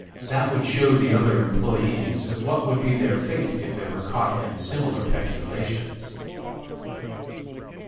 That would show the other employés what would be their fate if they were caught in similar peculations.